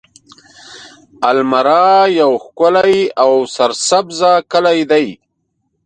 المره يو ښکلی او سرسبزه کلی دی.